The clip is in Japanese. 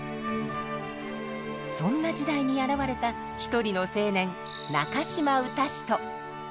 そんな時代に現れた一人の青年中島雅楽之都。